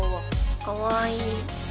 かわいい。